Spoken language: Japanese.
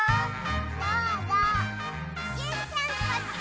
どうぞジュンちゃんこっち！